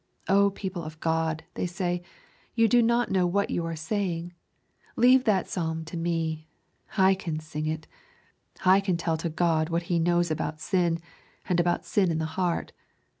O people of God, they say, you do not know what you are saying. Leave that psalm to me. I can sing it. I can tell to God what He knows about sin, and about sin in the heart.